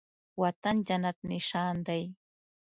وطن جنت نشان دی